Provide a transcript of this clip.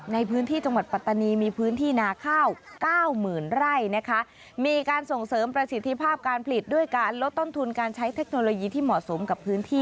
ในพื้นที่จังหวัดปัตตานีมีพื้นที่นาข้าว๙๐๐๐๐ไร่นะคะ